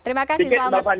terima kasih mbak fanny